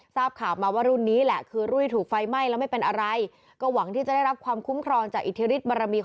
ทราบข่าวมาว่ารุ่นนี้แหละคือรุ่นที่ถูกไฟไหม้แล้วไม่เป็นอะไร